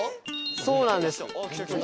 そうなんですよ。